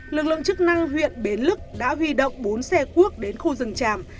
lực lượng chức năng huyện bến lức đã huy động bốn xe cuốc đến khu rừng tràm